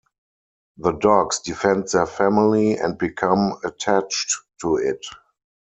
The dogs defend their family and become attached to it.